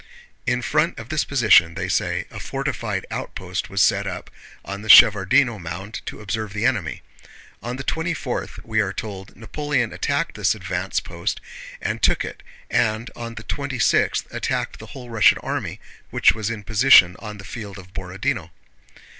In front of this position, they say, a fortified outpost was set up on the Shevárdino mound to observe the enemy. On the twenty fourth, we are told, Napoleon attacked this advanced post and took it, and, on the twenty sixth, attacked the whole Russian army, which was in position on the field of Borodinó.